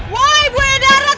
woy buaya darat